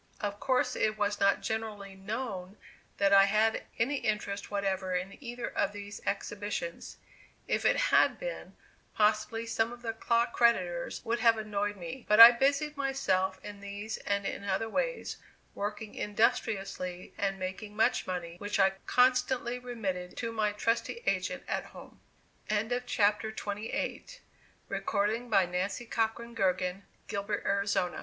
Of course, it was not generally known that I had any interest whatever in either of these exhibitions; if it had been, possibly some of the clock creditors would have annoyed me; but I busied myself in these and in other ways, working industriously and making much money, which I constantly remitted to my trusty agent at home. CHAPTER XXIX. IN GERMANY. FROM LONDON TO BADEN BADEN TROUBLE IN PARIS STRASBOURG SCE